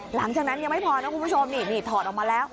หลังจากนั้นยังไม่พอนะคุณผู้ชมนี่ถอดออกมาแล้ว